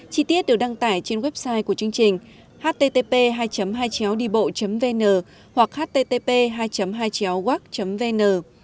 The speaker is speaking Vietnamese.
chí tiết đều đăng tải trên website của chương trình http dibộ vn hoặc http work vn